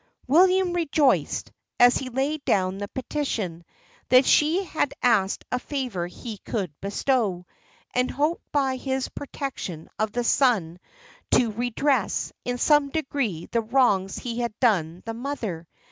William rejoiced, as he laid down the petition, that she had asked a favour he could bestow; and hoped by his protection of the son to redress, in some degree, the wrongs he had done the mother.